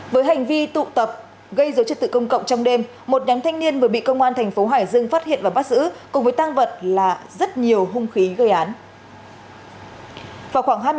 với hành vi tụ tập gây dấu chất tự công cộng trong đêm một nhóm thanh niên vừa bị công an thành phố hải dương phát hiện và bắt giữ cùng với tăng vật là rất nhiều hung khí gây án